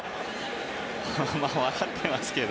笑ってますけど。